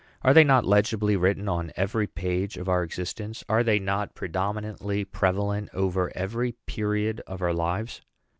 Are they not legibly written on every page of our existence? Are they not predominantly prevalent over every period of our lives?